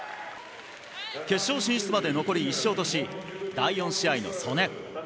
決勝進出まで残り１勝とし第４試合の素根。